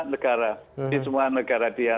negara di semua negara dia